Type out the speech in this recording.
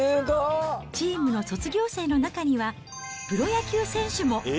チームの卒業生の中には、プロ野球選手も。